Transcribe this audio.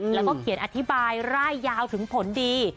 แล้วก็เขียนอธิบายร่ายยาวถึงผลดี